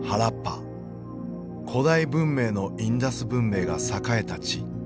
古代文明のインダス文明が栄えた地。